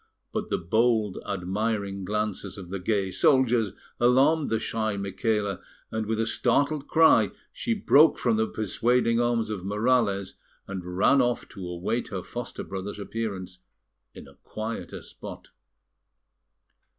But the bold, admiring glances of the gay soldiers alarmed the shy Micaela, and with a startled cry she broke from the persuading arms of Morales, and ran off to await her foster brother's appearance in a quieter spot.